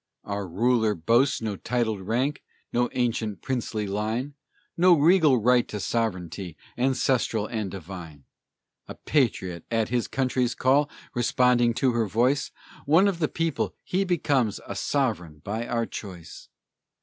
Our ruler boasts no titled rank, No ancient, princely line, No regal right to sovereignty, Ancestral and divine. A patriot, at his country's call, Responding to her voice; One of the people, he becomes A sovereign by our choice!